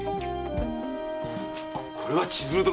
これは千鶴殿！